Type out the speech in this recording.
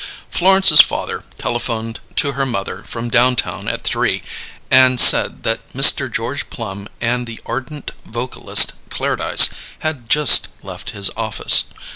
Florence's father telephoned to her mother from downtown at three, and said that Mr. George Plum and the ardent vocalist, Clairdyce, had just left his office.